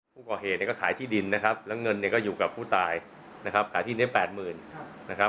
ผู้ก่อเหตุเนี่ยก็ขายที่ดินนะครับแล้วเงินเนี่ยก็อยู่กับผู้ตายนะครับขายที่นี้๘๐๐๐นะครับ